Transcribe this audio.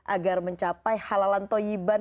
agar mencapai halalan toiban